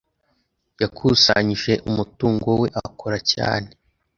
Yakusanyije umutungo we akora cyane.